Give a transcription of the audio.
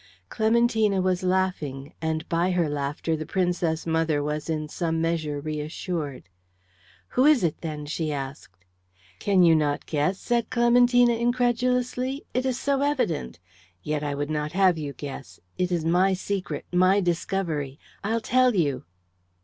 Clementina was laughing, and by her laughter the Princess mother was in some measure reassured. "Who is it, then?" she asked. "Can you not guess?" said Clementina, incredulously. "It is so evident. Yet I would not have you guess. It is my secret, my discovery. I'll tell you."